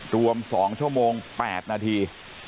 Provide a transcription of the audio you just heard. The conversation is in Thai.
รวม๒ชั่วโมง๘นาที